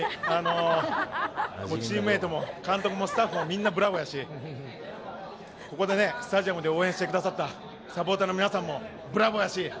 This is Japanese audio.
チームメートも監督もスタッフもみんなブラボーやしここで、スタジアムで応援してくださったサポーターの皆さんもブラボーやし。